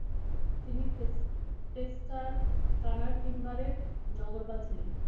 তিনি টেক্সারকানার তিনবারের নগরপাল ছিলেন।